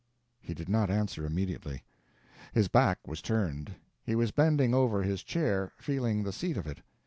He did not answer immediately. His back was turned; he was bending over his chair, feeling the seat of it.